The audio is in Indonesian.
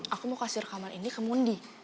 aku mau kasih rekaman ini ke mundi